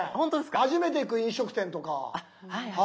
初めて行く飲食店とか。